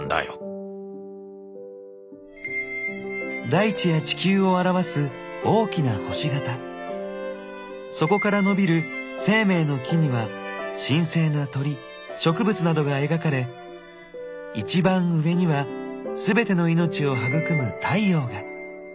大地や地球を表す大きな星形そこから伸びる「生命の木」には神聖な鳥植物などが描かれ一番上には全ての命を育む太陽が。